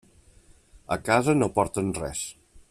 A casa no porten res.